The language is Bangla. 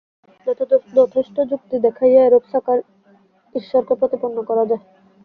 যথেষ্ট যুক্তি দেখাইয়া এরূপ সাকার ঈশ্বরকে প্রতিপন্ন করা যায়।